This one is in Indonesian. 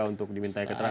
untuk diminta ikhterak